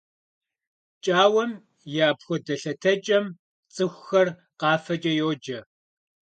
ПкӀауэм и апхуэдэ лъэтэкӀэм цӀыхухэр къафэкӀэ йоджэ.